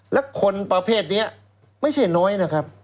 และคนประเภทนี้ไม่ใช่น้อยนะครับ